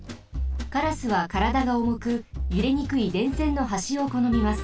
カラスはからだがおもくゆれにくい電線のはしをこのみます。